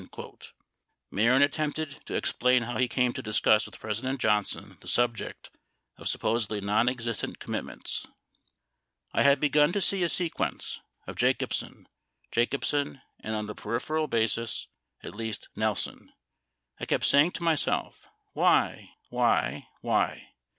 93 Mehren at tempted to explain how he came to discuss with President Johnson the subject of supposedly non existent commitments: I had begun to see a sequence ... of Jacobsen, Jacobsen, and on a peripheral basis, at least, Nelson. I kept saying to myself, why, why, why.